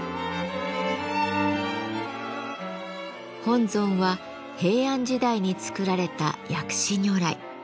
本尊は平安時代に作られた薬師如来。